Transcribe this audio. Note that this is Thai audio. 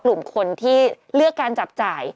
กลุ่มคนที่เลือกการจับจ่าย